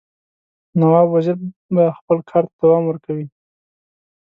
نواب وزیر به خپل کارته دوام ورکوي.